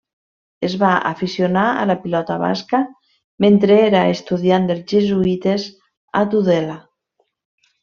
Es va aficionar a la pilota basca mentre era estudiant dels Jesuïtes a Tudela.